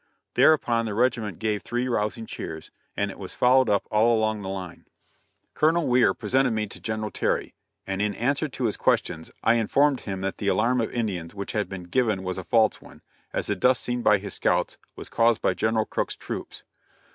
Thereupon the regiment gave three rousing cheers, and it was followed up all along the line. Colonel Weir presented me to General Terry, and in answer to his questions I informed him that the alarm of Indians which had been given was a false one, as the dust seen by his scouts was caused by General Crook's troops.